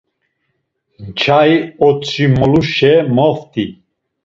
Nçai otzimoluşe moft̆i.